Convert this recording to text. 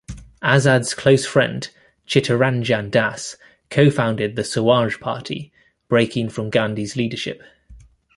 Azad's close friend Chittaranjan Das co-founded the Swaraj Party, breaking from Gandhi's leadership.